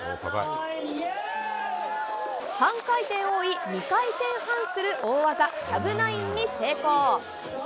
半回転多い２回転半する大技、キャブナインに成功。